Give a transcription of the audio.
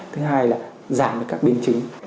thứ hai là giảm được các biến chứng